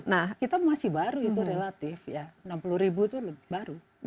nah kita masih baru itu relatif ya enam puluh ribu itu baru